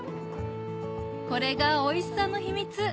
これがおいしさの秘密